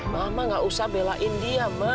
mama nggak usah belain dia ma